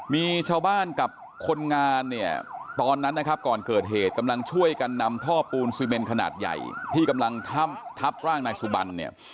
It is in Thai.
มีชาวบ้านกับคนงานเนี่ยตอนนั้นนะครับก่อนเกิดเหตุกำลังช่วยกันนำท่อปูนซีเมนขนาดใหญ่ที่กำลังทับร่างนายสุบันเนี่ย